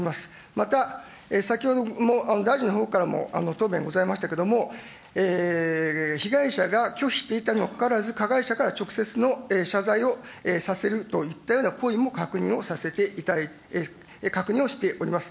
また先ほど、大臣のほうからも答弁ございましたけれども、被害者が拒否していたにもかかわらず、加害者から直接の謝罪をさせるといったような行為も確認をしております。